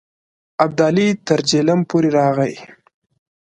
ابدالي تر جیهلم پورې راغی.